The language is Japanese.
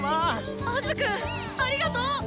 アズくんありがとう！